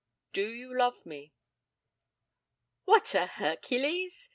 Do you love me?' 'What a Hercules?'